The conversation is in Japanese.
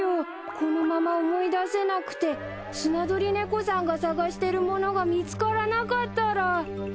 このまま思い出せなくてスナドリネコさんが探してるものが見つからなかったら。